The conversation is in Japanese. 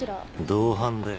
同伴だよ。